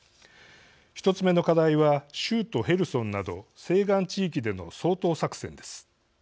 １つ目の課題は州都ヘルソンなど西岸地域での掃討作戦です。